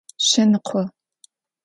Шъэныкъо.